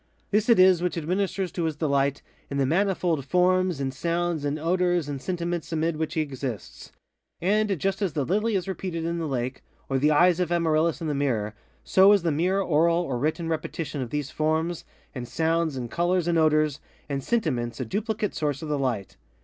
This it is which administers to his delight in the manifold forms, and sounds, and odors and sentiments amid which he exists. And just as the lily is repeated in the lake, or the eyes of Amaryllis in the mirror, so is the mere oral or written repetition of these forms, and sounds, and colors, and odors, and sentiments a duplicate source of the light.